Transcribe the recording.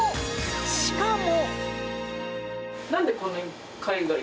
しかも。